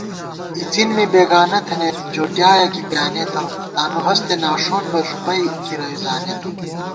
اِڅِن می بېگانہ تھنئیت ، جو ڈیایَہ کی پیانېتہ * تانُوہستے ناݭون بہ، ݫُپئی کِروے زانېتہ